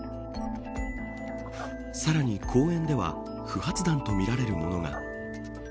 さらに公園では不発弾とみられるものが。